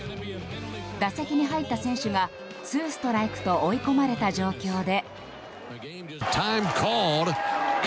打席に入った選手がツーストライクと追い込まれた状況で。